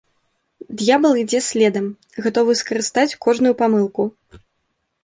Д'ябал ідзе следам, гатовы скарыстаць кожную памылку.